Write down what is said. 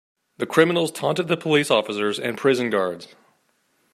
The criminals taunted the police officers and prison guards.